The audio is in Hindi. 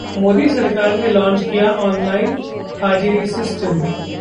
मोदी सरकार ने लॉन्च किया ऑन लाइन हाजिरी सिस्टम